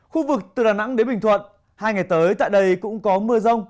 khu vực từ đà nẵng đến bình thuận hai ngày tới tại đây cũng có mưa rông